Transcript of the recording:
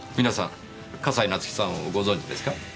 皆さん笠井夏生さんをご存じですか？